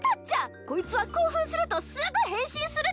こいつは興奮するとすぐ変身するっちゃ。